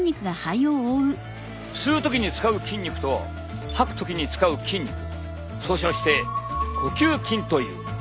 吸う時に使う筋肉と吐く時に使う筋肉総称して呼吸筋という。